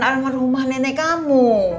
arma rumah nenek kamu